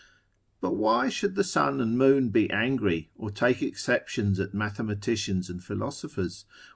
But why should the sun and moon be angry, or take exceptions at mathematicians and philosophers?